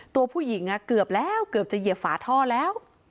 ตัวผู้หญิงเกือบแล้วเกือบจะเหยียบฝาท่อแล้ว